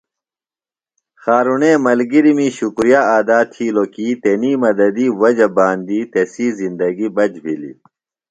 خارُݨے ملگرمی شکُریہ ادا تِھیلوۡ کی تنی مدتی وجہ باندی تسی زندگیۡ بچ بِھلیۡ۔